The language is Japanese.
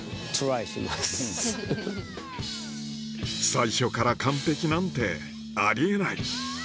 最初から完璧なんてあり得ない